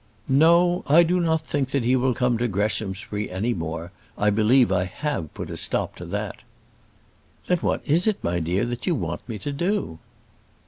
"No; I do not think that he will come to Greshamsbury any more. I believe I have put a stop to that." "Then what is it, my dear, that you want me to do?"